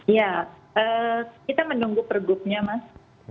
ya kita menunggu pergubnya mas